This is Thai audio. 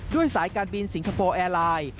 สายการบินสิงคโปร์แอร์ไลน์